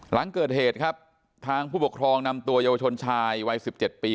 หลังเกิดเหตุครับทางผู้ปกครองนำตัวเยาวชนชายวัย๑๗ปี